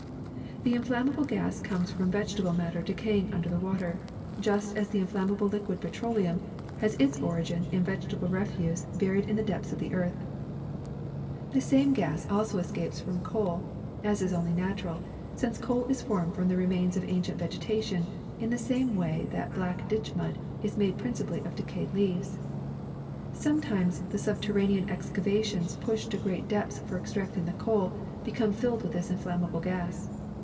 This inflammable gas comes from vegetable matter decaying under the water, just as the inflam mable liquid petroleum has its origin in vegetable refuse buried in the depths of the earth. lU THE SECRET OF EVERYDAY THINGS The same gas also escapes from coal, as is only natural, since coal is formed from the remains of ancient vegetation in the same way that black ditch mud is made principally of decayed leaves. Some times the subterranean excavations pushed to great depths for extracting the coal become filled with this inflammable gas.